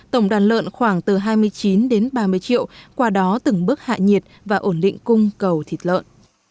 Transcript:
tổng đàn lợn khoảng từ hai mươi chín đến ba mươi triệu qua đó từng bước hạ nhiệt và ổn định cung cầu thịt lợn